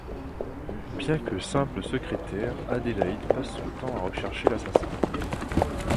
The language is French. Bien que simple secrétaire, Adelheid passe son temps à rechercher l'assassin.